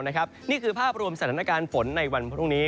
นี่คือภาพรวมสถานการณ์ฝนในวันพรุ่งนี้